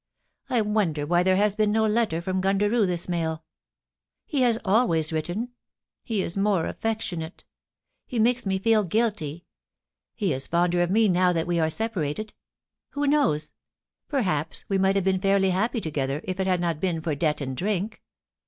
I wonder why there has been no letter from Gundaroo this mail ... He has always written ; he is more affectionate ; he makes me feel guilty ; he is fonder of me now that we are separated Who knows ? Perhaps we might have been fairly happy together if it had not been for debt and drink.